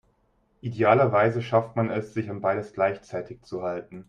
Idealerweise schafft man es, sich an beides gleichzeitig zu halten.